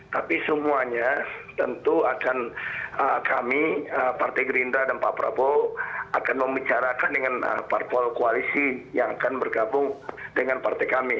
tapi semuanya tentu akan kami partai gerindra dan pak prabowo akan membicarakan dengan parpol koalisi yang akan bergabung dengan partai kami